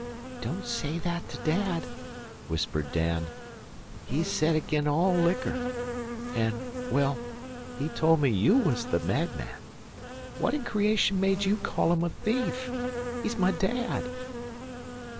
"Don't say that to Dad," whispered Dan. "He's set agin all liquor, an' well, he told me you was the madman. What in creation made you call him a thief? He's my dad."